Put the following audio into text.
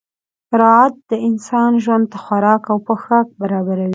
راعت د انسان ژوند ته خوراک او پوښاک برابروي.